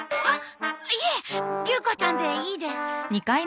はっいえ竜子ちゃんでいいです。